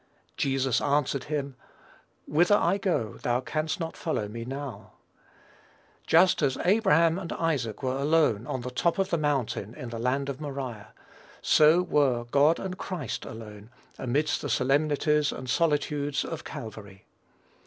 Jesus answered him, Whither I go thou canst not follow me now." Just as Abraham and Isaac were alone on the top of the mountain in the land of Moriah, so were God and Christ alone, amidst the solemnities and solitudes of Calvary.